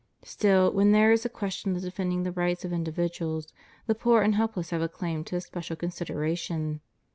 Still, when there is a question of defending the rights of individuals, the poor and help less have a claim to especial consideration.